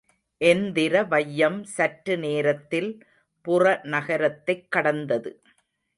எந்திர வையம் சற்று நேரத்தில் புறநகரத்தைக் கடந்தது.